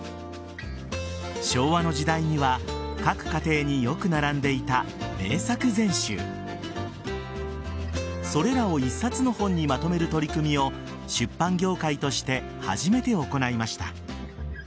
昭和の時代には各家庭によく並んでいた「名作全集」それらを１冊の本にまとめる取り組みを出版業界として初めて行いました。